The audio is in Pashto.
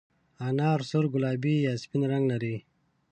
انار سور، ګلابي یا سپین رنګ لري.